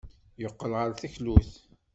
Yeqqel ɣer teklut.